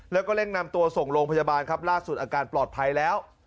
แล้วก็เร่งนำตัวส่งโรงพยาบาลครับล่าสุดอาการปลอดภัยแล้ว